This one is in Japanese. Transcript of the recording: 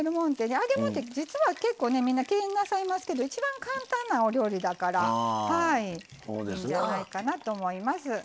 揚げ物ってみんな敬遠なさいますけど一番簡単なお料理だからいいんじゃないかなと思います。